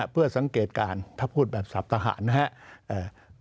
เพื่อสังเกตการณ์ถ้าพูดแบบสับทหารนะครับ